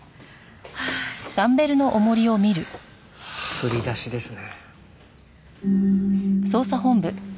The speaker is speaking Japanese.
振り出しですね。